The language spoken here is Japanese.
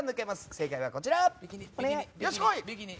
正解はこちら。